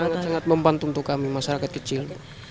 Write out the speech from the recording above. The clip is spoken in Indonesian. sangat sangat membantu untuk kami masyarakat kecil